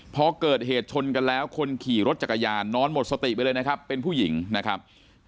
พอเกิดเหตุชนกันแล้วคนขี่รถจักรยานนอนหมดสติไปเลยนะครับเป็นผู้หญิงนะครับ